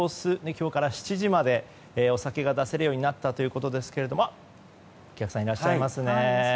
今日から７時までお酒が出せるようになったということですがお客さん、いらっしゃいますね。